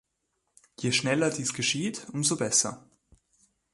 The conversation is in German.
Je schneller dies geschieht, umso besser.